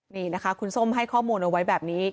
นี่นะคะคุณส้มให้ข้อมูลเอาไว้แบบนี้